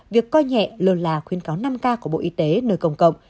việc coi nhẹ lồn là khuyên cáo năm k của bộ y tế nơi công cộng